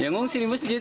yang ngungsi di masjid